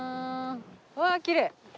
うわっきれい。